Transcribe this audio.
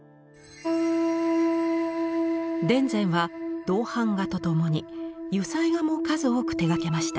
田善は銅版画とともに油彩画も数多く手がけました。